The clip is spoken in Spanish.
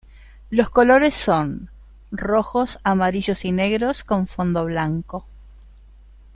Los colores son rojos, amarillos y negros con fondo blanco.